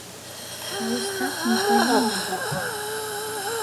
Вось так не павінна быць.